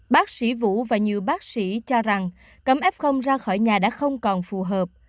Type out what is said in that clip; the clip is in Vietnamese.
bác sĩ vũ và nhiều bác sĩ cho rằng cấm f ra khỏi nhà đã không còn phù hợp